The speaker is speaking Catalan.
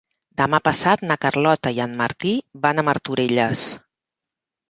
Demà passat na Carlota i en Martí van a Martorelles.